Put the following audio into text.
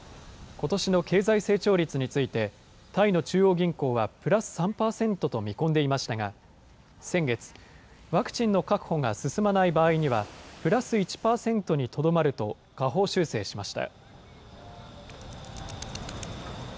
ことしの経済成長率について、タイの中央銀行はプラス３％と見込んでいましたが、先月、ワクチンの確保が進まない場合にはプラス１％にとどまると下方修正しました。